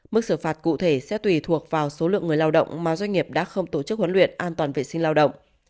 mức xử phạt cụ thể sẽ tùy thuộc vào số lượng người lao động mà doanh nghiệp đã không tổ chức huấn luyện an toàn vệ sinh lao động